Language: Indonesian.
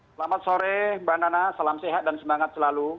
selamat sore mbak nana salam sehat dan semangat selalu